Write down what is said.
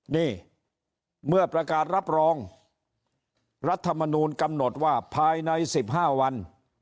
นี่เมื่อประกาศรับรองรัฐมนูลกำหนดว่าภายใน๑๕วัน